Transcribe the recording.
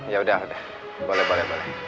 yaudah boleh boleh